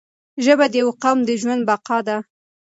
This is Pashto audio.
ژبه د یو قوم د ژوند بقا ده